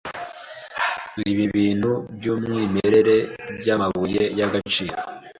Ibi bintu byumwimerere byamabuye y'agaciro